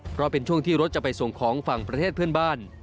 เพราะเป็นช่วงที่รถจะไปส่งของฝั่งประเทศเพื่อนบ้าน